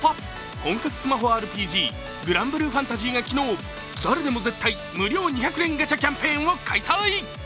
本格スマホＲＰＧグランブルーファンタジーが昨日、誰でも絶対無料２００連ガチャキャンペーンを開催。